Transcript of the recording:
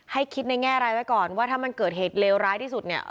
ให้คิดในแง่รายไว้ก่อนว่าถ้ามันเกิดเหตุเลวร้ายที่สุดเนี่ย